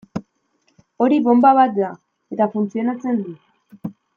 Hori bonba bat da, eta funtzionatzen du.